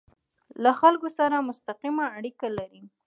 له خلکو سره مستقیمه اړیکه لري.